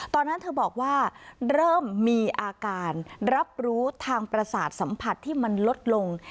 ตอนนั้นเธอบอกว่าเริ่มมีอาการรับรู้ทางประสาทสัมผัสที่มันลดลง